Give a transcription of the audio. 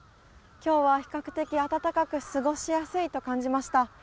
今日は比較的暖かく過ごしやすいと感じました。